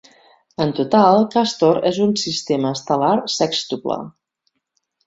En total, Càstor és un sistema estel·lar sèxtuple.